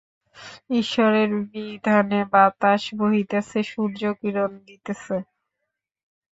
ঈশ্বরের বিধানে বাতাস বহিতেছে, সূর্য কিরণ দিতেছে।